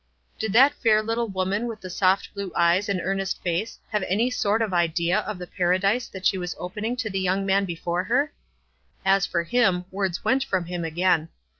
Did that fair little woman with the soft blue eyes and earnest face have any sort of an idea of the paradise that she was opening to the young man before her? As for him, words went from him again.